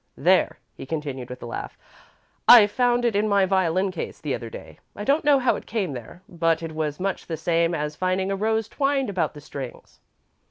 "There," he continued, with a laugh. "I found it in my violin case the other day. I don't know how it came there, but it was much the same as finding a rose twined about the strings."